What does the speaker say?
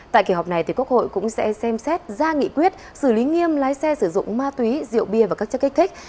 tại kỳ họp này quốc hội cũng sẽ xem xét ra nghị quyết xử lý nghiêm lái xe sử dụng ma túy rượu bia và các chất kích thích